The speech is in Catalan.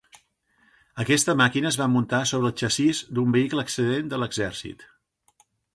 Aquesta màquina es va muntar sobre el xassís d'un vehicle excedent de l'exèrcit.